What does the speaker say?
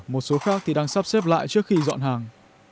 một số khác thì đang sắp xếp lại trước khi dọn hàng